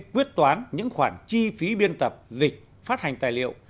quyết toán những khoản chi phí biên tập dịch phát hành tài liệu